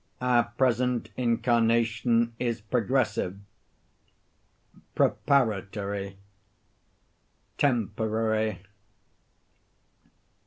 Our present incarnation is progressive, preparatory, temporary.